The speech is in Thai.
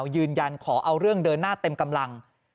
ยืนยันขอเอาเรื่องเดินหน้าเต็มกำลัง